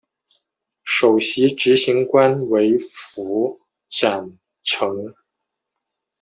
首席执行官为符展成。